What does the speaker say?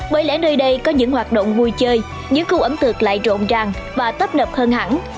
bởi lẽ nơi đây có những hoạt động vui chơi những khu ấm tược lại rộn ràng và tấp nập hơn hẳn